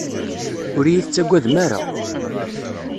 Ur iyi-tettagadem ara.